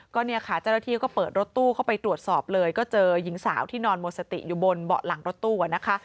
ก็เนี่ยค่ะเจ้าหน้าที่ก็เปิดรถตู้เข้าไปตรวจสอบเลยก็เจอหญิงสาวที่นอนหมดสติอยู่บนเบาะหลังรถตู้นะคะ